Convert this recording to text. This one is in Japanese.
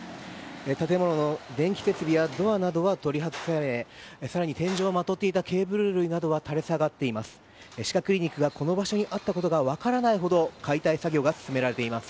建物の電気設備やドアなどは取り外され更に天井をまとっていたケーブル類などは垂れ下がっています。